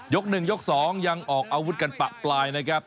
ยกหนึ่งยกสองยังออกอาวุธกันปะปลายนะครับ